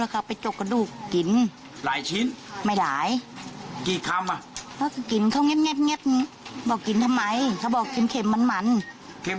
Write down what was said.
ก็บอกกินทำไมเราบอกได้เค็มมัน